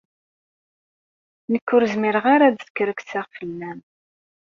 Nekk ur zmireɣ ad skerkseɣ fell-am.